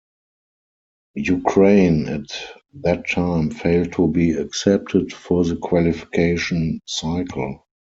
Ukraine at that time failed to be accepted for the qualification cycle.